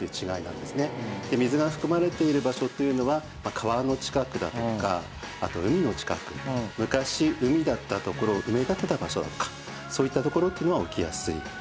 で水が含まれている場所っていうのは川の近くだとかあと海の近く昔海だった所を埋め立てた場所だとかそういった所っていうのは起きやすいですね。